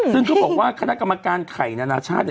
ซึ่งเขาบอกว่าคณะกรรมการไข่นานาชาติ